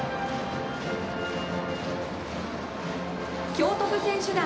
京都府選手団。